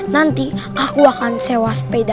nanti aku akan sewa sepeda